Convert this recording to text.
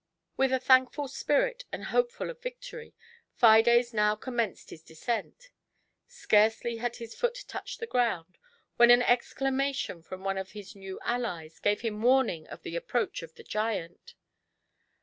10? With a thankful spirit, and hopeful of victory, Fides now commenced his descent Scarcely had his foot touched the ground, when an exclamation from one of his new allies gave him warning of the approach of the giant.